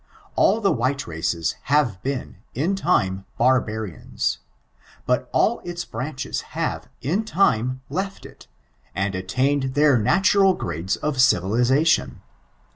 All the white racea have been* in time, barbarians ; but all its branches have, in time, left it* and attained their natural grades of dviliaation.